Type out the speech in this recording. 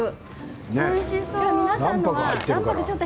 おいしそう。